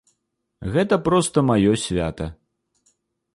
Гэта проста маё свята.